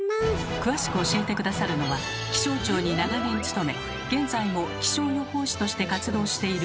詳しく教えて下さるのは気象庁に長年勤め現在も気象予報士として活動している